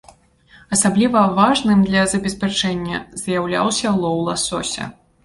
Асабліва важным для забеспячэння з'яўляўся лоў ласося.